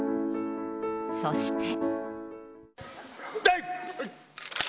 そして。